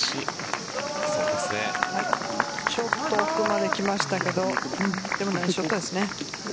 ちょっと奥まできましたけどでもナイスショットですね。